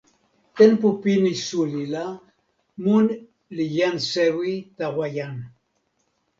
tenpo pini suli la, mun li jan sewi tawa jan.